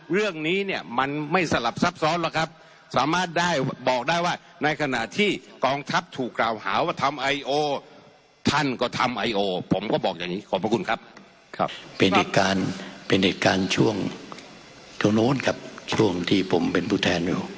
เป็นอีกการช่วงเท่านั้นครับช่วงที่ผมเป็นผู้แทนอยู่